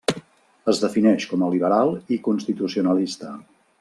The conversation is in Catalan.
Es defineix com a liberal i constitucionalista.